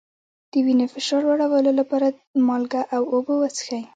د وینې فشار لوړولو لپاره مالګه او اوبه وڅښئ